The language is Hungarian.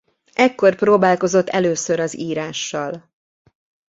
Ekkor próbálkozott először az írással.